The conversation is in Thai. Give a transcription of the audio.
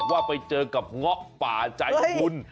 ว่าไปเจอกับเงาะป่าใจบุญ